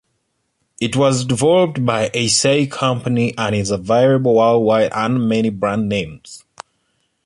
It was developed by Eisai Company and is available worldwide under many brand names.